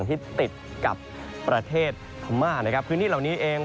ที่ติดกับประเทศพม่านะครับพื้นที่เหล่านี้เอง